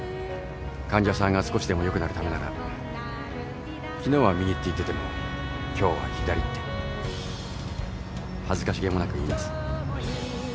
患者さんが少しでも良くなるためなら昨日は右って言ってても今日は左って恥ずかしげもなく言います。